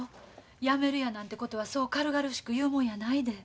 やめるやなんてことはそう軽々しく言うもんやないで。